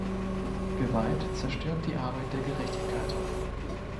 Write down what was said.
Gewalt zerstört die Arbeit der Gerechtigkeit.